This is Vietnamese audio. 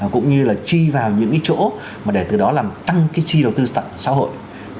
cũng như là chi vào những cái chỗ mà để từ đó làm tăng cái chi đầu tư xã hội